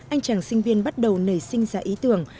anh chàng sinh viên bắt đầu nảy sinh ra ý tưởng